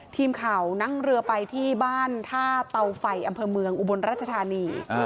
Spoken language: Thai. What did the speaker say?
ทีมข่าวนั่งเรือไปที่บ้านท่าเตาไฟอำเภอเมืองอุบลราชธานี